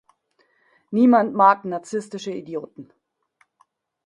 Niemand mag narzisstische Idioten.